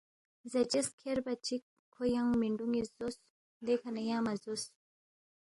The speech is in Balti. زاچس کھیربا چِک کھو ینگ مِنڈُو نِ٘یس زوس، دیکھہ نہ ینگ مہ زوس